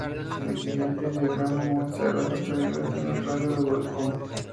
El siguiente diagrama muestra a las localidades en un radio de de Welcome.